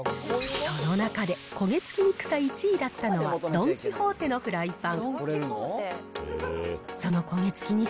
その中で焦げ付きにくさ１位だったのはドン・キホーテのフライパン。